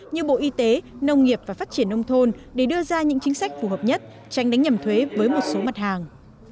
như bộ y tế nông nghiệp và phát triển nông thôn để đưa ra những chính sách phù hợp nhất tránh đánh nhầm thuế với một số mặt hàng